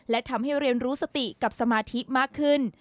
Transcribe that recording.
และทำให้เรียนรู้สติกับสมาธิมากขึ้น